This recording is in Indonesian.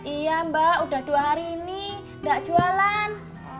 iya mbak udah dua hari ini tidak jualan